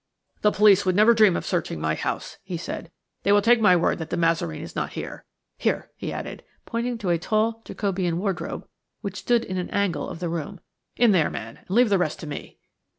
"The police would never dream of searching my house," he said; "they will take my word that De Mazareen is not here. Here!" he added, pointing to a tall Jacobean wardrobe which stood in an angle of the room. "In there, man, and leave the rest to me!"